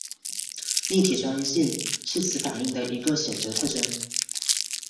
立体专一性是此反应的一个显着特征。